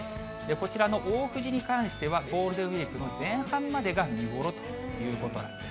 こちらの大藤に関しては、ゴールデンウィークの前半までが見頃ということなんです。